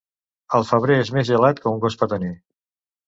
El febrer és més gelat que un gos petaner.